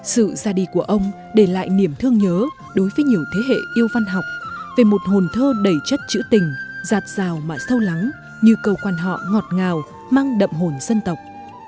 sự ra đi của ông để lại niềm thương nhớ đối với nhiều thế hệ yêu văn học về một hồn thơ đầy chất chữ tình giạt rào mà sâu lắng như câu quan họ ngọt ngào mang đậm hồn dân tộc